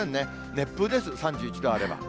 熱風です、３１度あれば。